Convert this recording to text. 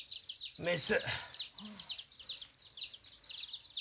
メス。